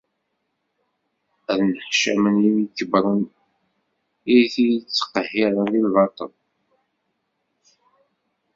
Ad nneḥcamen yemkebbren i iyi-ittqehhiren di lbaṭel!